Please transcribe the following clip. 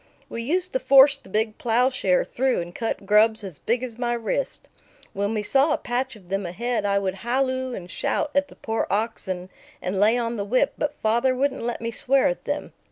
We used to force the big plowshare through and cut grubs as big as my wrist. When we saw a patch of them ahead, I would halloo and shout at the poor oxen and lay on the whip; but father wouldn't let me swear at them.